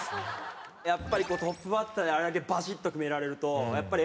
やっぱりトップバッターにあれだけバシッと決められると演奏終わった瞬間